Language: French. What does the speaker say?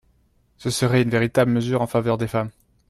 Ce serait une véritable mesure en faveur des femmes.